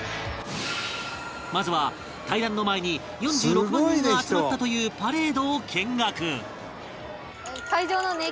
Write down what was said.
まずは対談の前に４６万人が集まったというパレードを見学